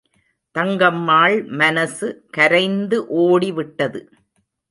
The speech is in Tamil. தங்கம்மாள் மனசு கரைந்து ஓடிவிட்டது.